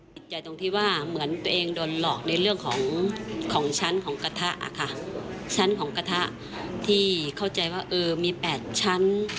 ติดใจตรงที่ว่าเหมือนตัวเองโดนหลอกในเรื่องของของชั้นของกระทะค่ะชั้นของกระทะที่เข้าใจว่าเออมี๘ชั้น